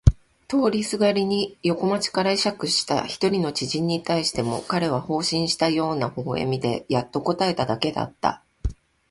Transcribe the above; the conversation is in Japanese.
通りすがりに横町から会釈えしゃくした一人の知人に対しても彼は放心したような微笑でやっと答えただけだった。